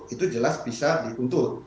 itu jelas bisa diuntut